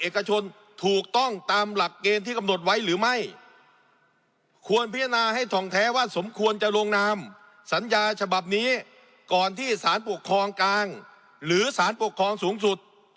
ถูกต้องตามหลักเกณฑ์ที่กำหนดไว้หรือไม่ควรพิจารณาให้ถ่องแท้ว่าสมควรจะลงนามสัญญาฉบับนี้ก่อนที่สารปกครองกลางหรือสารปกครองสูงสุด